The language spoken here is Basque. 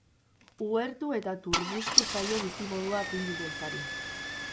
Uhertu eta turbustu zaio bizimodua pinu beltzari.